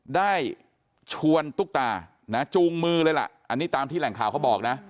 ได้ชวนตุ๊กตานะจูงมือเลยล่ะอันนี้ตามที่แหล่งข่าวเขาบอกนะ